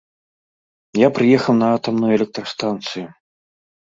Я прыехаў на атамную электрастанцыю.